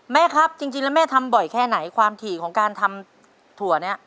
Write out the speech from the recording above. แม่ครับจริงแล้วแม่ทำบ่อยแค่ไหนความถี่ของการทำถั่วนี้